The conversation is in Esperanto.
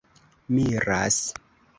miras